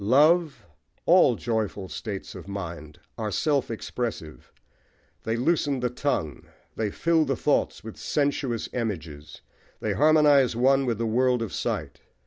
Love, all joyful states of mind, are self expressive: they loosen the tongue, they fill the thoughts with sensuous images, they harmonise one with the world of sight.